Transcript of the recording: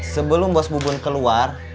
sebelum bos bubun keluar